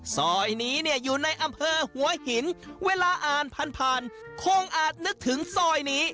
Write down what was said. ซอยนี้เนี่ยอยู่ในอำเภอหัวหินเวลาอ่านผ่านผ่านคงอาจนึกถึงซอยนี้